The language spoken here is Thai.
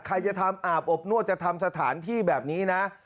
ใครจะทำอาบอบนวดจะทำสถานที่แบบนี้นะ